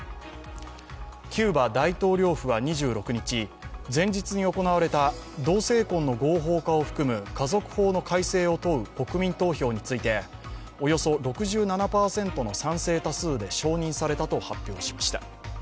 キューバ大統領府は２６日、前日に行われた同性婚の合法化を含む家族法の改正を問う国民投票について、およそ６７％の賛成多数で承認されたと発表しました。